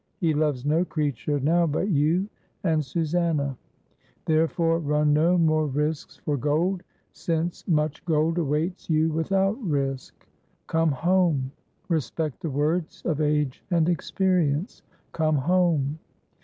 He loves no creature now but you and Susannah; therefore run no more risks for gold, since much gold awaits you without risk. Come home. Respect the words of age and experience come home.